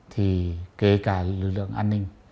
thì kể cả lực lượng an ninh